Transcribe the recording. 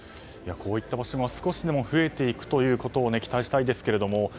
こういった場所が少しでも増えていくことを期待したいですけれども。